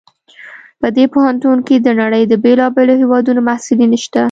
په دې پوهنتون کې د نړۍ د بیلابیلو هیوادونو محصلین شته